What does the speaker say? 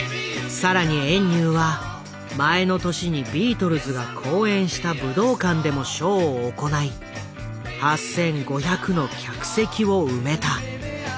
さらに遠入は前の年にビートルズが公演した武道館でもショーを行い８，５００の客席を埋めた。